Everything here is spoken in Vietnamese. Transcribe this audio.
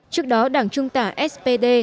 trước đó đảng trung tả spd